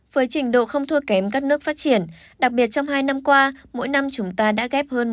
với trình độ không thua kém các nước phát triển đặc biệt trong hai năm qua mỗi năm chúng ta đã ghép hơn